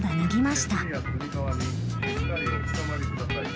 「しっかりおつかまりください。